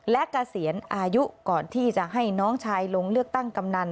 และเกษียณอายุก่อนที่จะให้น้องชายลงเลือกตั้งกำนัน